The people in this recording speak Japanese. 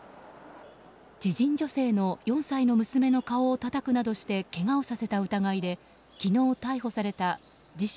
知人女性の４歳の娘の顔をたたくなどしてけがをさせた疑いで昨日逮捕された自称